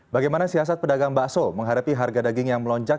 bagaimana siasat pedagang bakso menghadapi harga daging yang melonjak